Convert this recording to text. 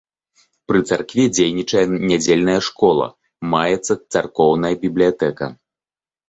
Пры царкве дзейнічае нядзельная школа, маецца царкоўная бібліятэка.